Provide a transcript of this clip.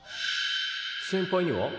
先輩には？